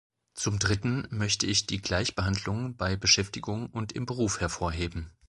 Zum Dritten möchte ich die Gleichbehandlung bei Beschäftigung und im Beruf hervorheben.